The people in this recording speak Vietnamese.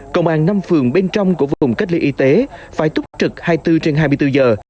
công an năm phường bên trong của vùng cách ly y tế phải túc trực hai mươi bốn trên hai mươi bốn giờ